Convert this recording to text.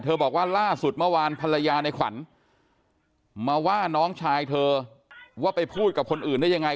บอกว่าล่าสุดเมื่อวานภรรยาในขวัญมาว่าน้องชายเธอว่าไปพูดกับคนอื่นได้ยังไง